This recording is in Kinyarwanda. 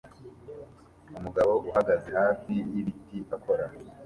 Umugabo uhagaze hafi yibiti akora